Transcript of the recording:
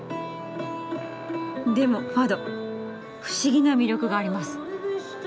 でもファド不思議な魅力があります。